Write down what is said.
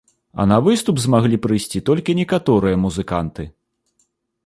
А на выступ змаглі прыйсці толькі некаторыя музыканты.